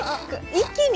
⁉一気に⁉